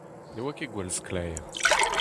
Ne oa ket gwall sklaer.